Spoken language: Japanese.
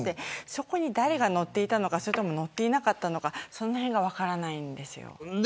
そこに誰が乗っていたのかそれとも乗っていなかったのかそのへんが分からないんです。